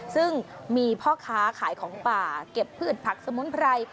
ซึ่งมีพ่อค้าขายของป่าเก็บพืชผักสมุนไพร